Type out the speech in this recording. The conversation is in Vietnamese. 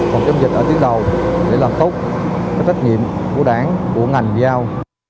còn chống dịch ở tiến đầu để làm tốt các trách nhiệm của đảng của ngành giao